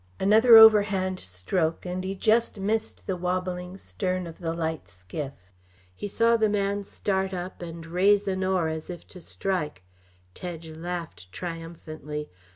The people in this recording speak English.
Another overhand stroke, and he just missed the wobbling stern of the light skiff. He saw the man start up and raise an oar as if to strike. Tedge laughed triumphantly.